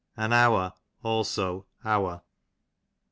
\an hour, also our.